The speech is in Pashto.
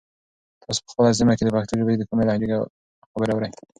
تاسو په خپله سیمه کې د پښتو ژبې د کومې لهجې خبرې اورئ؟